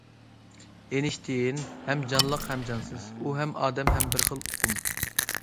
ئېينىشتىيىن ھەم جانلىق ھەم جانسىز، ئۇ ھەم ئادەم ھەم بىر خىل ئۇقۇم.